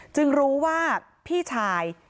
จึงรู้ว่าพี่ชาย